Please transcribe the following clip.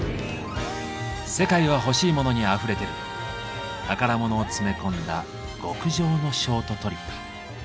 「世界はほしいモノにあふれてる」宝物を詰め込んだ極上のショートトリップ。